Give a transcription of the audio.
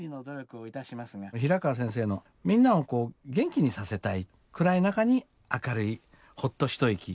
平川先生のみんなを元気にさせたい暗い中に明るいほっと一息を届けるようなね